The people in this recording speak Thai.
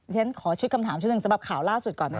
อย่างนี้ขอชุดคำถามสำหรับข่าวล่าสุดก่อนนะคะ